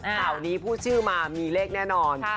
ข่าวนี้พูดชื่อมามีเลขแน่นอน